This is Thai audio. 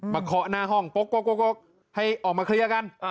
เคาะหน้าห้องโป๊อกให้ออกมาเคลียร์กัน